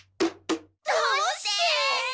どうして！？